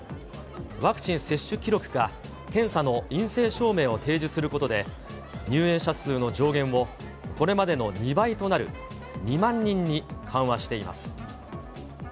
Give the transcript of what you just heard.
ワクチン接種記録か、検査の陰性証明を提示することで、入園者数の上限をこれまでの２倍となる２万人に緩和しています。